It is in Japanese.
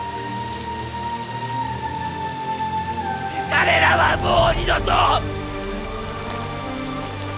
彼らはもう二度と！